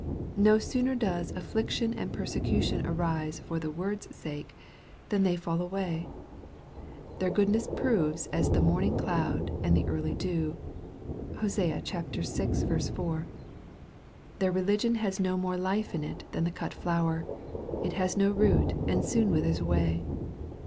No sooner does " affliction and persecution arise for the word's sake/' than they fall away. Their goodness proves as " the morning cloud, and the early dew." (Hosea vi. 4.) Their religion has no more life in it than the cut flower. It has no root, and soon withers away.